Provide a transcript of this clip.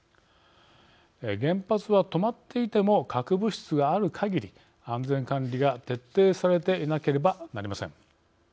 原発は、止まっていても核物質がある限り安全管理が徹底されていなければなりません。